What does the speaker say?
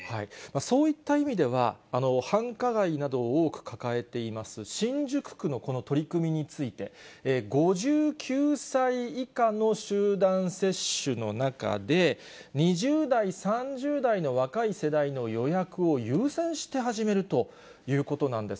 そういった意味では、繁華街などを多く抱えています、新宿区のこの取り組みについて、５９歳以下の集団接種の中で、２０代、３０代の若い世代の予約を優先して始めるということなんです。